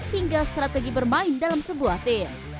hingga strategi bermain dalam sebuah tim